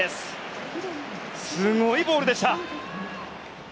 すごいボールでした。